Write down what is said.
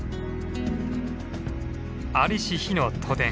在りし日の都電。